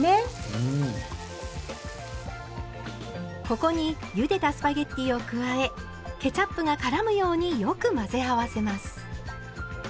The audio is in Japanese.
ここにゆでたスパゲッティを加えケチャップがからむようによく混ぜ合わせます。